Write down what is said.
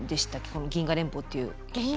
この銀河連邦っていう。